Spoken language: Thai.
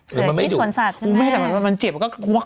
หรือมันไม่หยุด